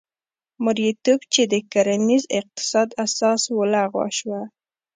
مریتوب چې د کرنیز اقتصاد اساس و لغوه شو.